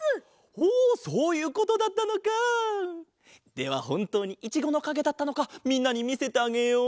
ではほんとうにいちごのかげだったのかみんなにみせてあげよう。